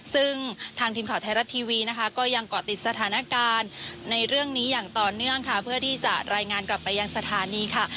ซึ่งทางทีมข่าวไทยรัฐทีวีนะคะก็ยังเกาะติดสถานการณ์ในเรื่องนี้อย่างต่อเนื่องค่ะเพื่อที่จะรายงานกลับไปยังสถานีค่ะ